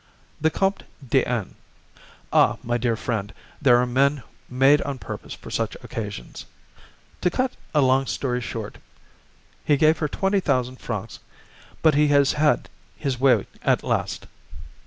"The Comte de N. Ah, my dear friend, there are men made on purpose for such occasions. To cut a long story short he gave her twenty thousand francs, but he has had his way at last.